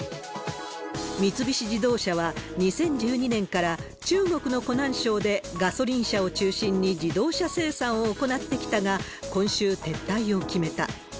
三菱自動車は、２０１２年から中国の湖南省で、ガソリン車を中心に自動車生産を行ってきたが、今週、撤退を決めた。